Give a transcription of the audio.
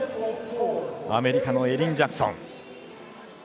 アメリカのエリン・ジャクソン。